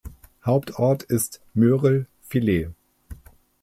Hauptort ist Mörel-Filet.